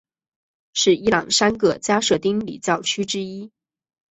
是伊朗三个加色丁礼教区之一。